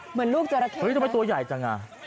เหมือนลูกจราเข้เฮ้ยทำไมตัวใหญ่จังอ่ะ